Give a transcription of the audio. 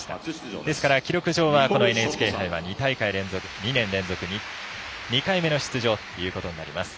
ですから記録上はＮＨＫ杯は２年連続２回目の出場ということになります。